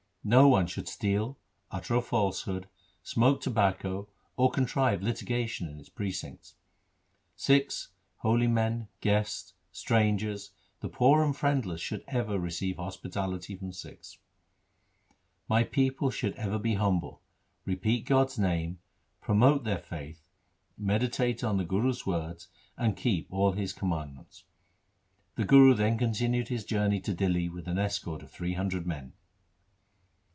No one should steal, utter a falsehood, smoke tobacco, or contrive litigation in its precincts. Sikhs, holy men, guests, strangers, the poor and the friendless should ever receive hospitality from Sikhs. My people should ever be humble, repeat God's name, promote their faith, meditate on the Guru's words, and keep all his commandments.' The Guru then continued his journey to Dihli with an escort of three hundred men.